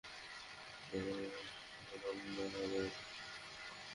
এর শিকার সাধারণত মায়েরাই হয়।